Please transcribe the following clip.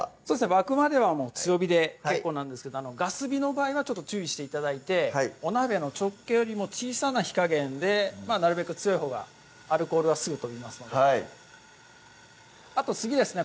沸くまでは強火で結構なんですがガス火の場合は注意して頂いてお鍋の直径よりも小さな火加減でなるべく強いほうがアルコールはすぐ飛びますので次ですね